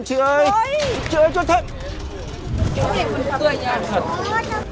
anh ơi cho em xin mấy đồng bạc lẻ